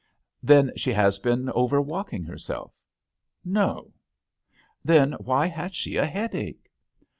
"Then has she been over walking herself ?'*" No." "Then why has she a head ache